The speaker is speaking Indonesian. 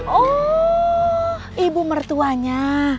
oh ibu mertuanya